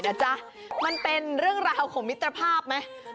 พี่เจี๊ยบมันเป็นเรื่องของมิตรภาพไหม